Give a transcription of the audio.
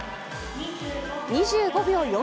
２５秒４９。